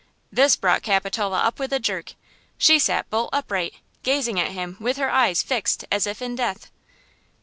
This brought Capitola up with a jerk! She sat bolt upright, gazing at him with her eyes fixed as if in death.